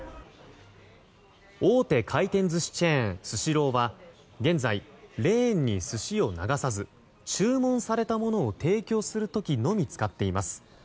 大手回転寿司チェーンスシローは現在、レーンに寿司を流さず注文されたものを提供する時のみ使っています。